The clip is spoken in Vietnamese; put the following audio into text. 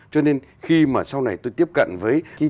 cho nên khi mà sau này tôi tiếp cận với